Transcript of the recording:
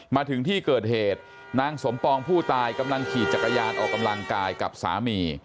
มาถึงที่เกิดเหตุนางสมปองผู้ตายกำลังขี่จักรยานออกกำลังกายกับสามี